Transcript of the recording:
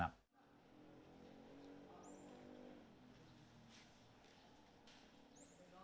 yang mana teman teman bisa diisi sesuai dengan deskripsi produk